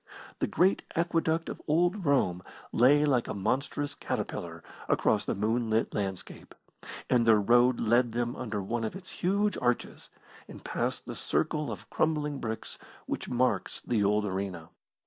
The great Aqueduct of old Rome lay like a monstrous caterpillar across the moonlit landscape, and their road led them under one of its huge arches, and past the circle of crumbling bricks which marks the old arena.